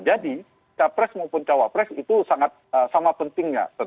jadi capres maupun cawal pres itu sama pentingnya